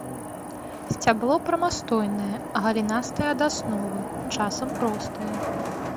Сцябло прамастойнае, галінастае ад асновы, часам простае.